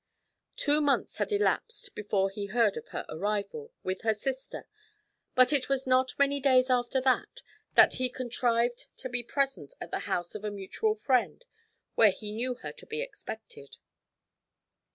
Two months had elapsed before he heard of her arrival, with her sister, but it was not many days after that he contrived to be present at the house of a mutual friend, where he knew her to be expected.